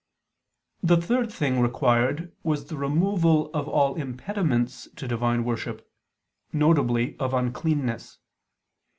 The third thing required was the removal of all impediments to divine worship, viz. of uncleannesses.